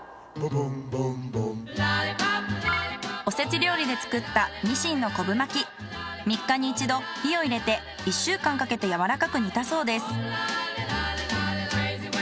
おせち料理で作った３日に一度火を入れて１週間かけて柔らかく煮たそうです。